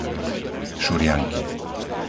Šurianky